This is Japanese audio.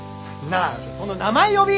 なあその名前呼び！